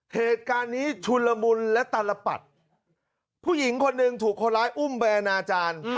เหตุการณ์นี้ชุนละมุนและตลปัดผู้หญิงคนหนึ่งถูกคนร้ายอุ้มไปอนาจารย์